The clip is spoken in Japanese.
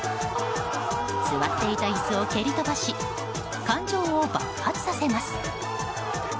座っていた椅子を蹴り飛ばし感情を爆発させます。